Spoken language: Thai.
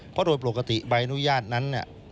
เพราะโดยปกติใบอนุญาตนั้นเนี่ย